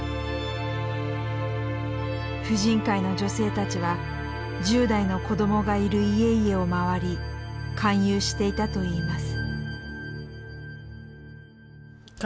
婦人会の女性たちは１０代の子供がいる家々を回り勧誘していたといいます。